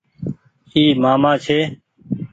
اي مآمآ ڇي ۔